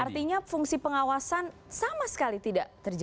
artinya fungsi pengawasan sama sekali tidak terjadi